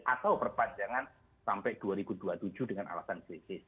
atau perpanjangan sampai dua ribu dua puluh tujuh dengan alasan krisis